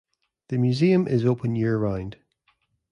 The museum is open year-round.